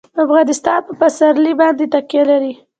افغانستان په پسرلی باندې تکیه لري.